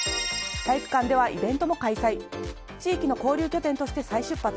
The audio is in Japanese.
体育館ではイベントも開催地域の交流拠点として再出発。